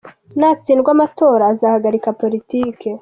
Natsindwa amatora azahagarika politiki